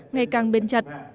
ngày càng bền chặt